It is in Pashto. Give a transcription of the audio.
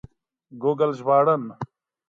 ګوګل ژباړن